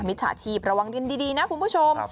มิตรสาชีพระวังกันดีนะคุณผู้ชม